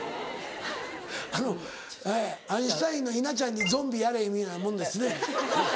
あのええアインシュタインの稲ちゃんにゾンビやれ言うようなもんですね。